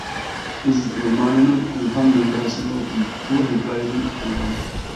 «ئىز» رومانىنىڭ ئىلھام مەنبەسىمۇ بۇ ھېكايىدىن تۇغۇلغان.